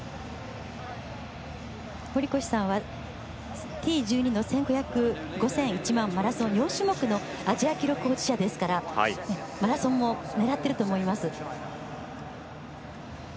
堀越さんはＴ１２の１５００、５０００、１００００マラソン、４種目のアジア記録保持者ですからマラソンも狙ってると思います。